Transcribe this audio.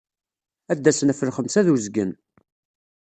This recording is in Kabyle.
Ad d-asen ɣef lxemsa ed uzgen.